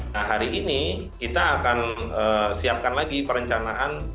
nah hari ini kita akan siapkan lagi perencanaan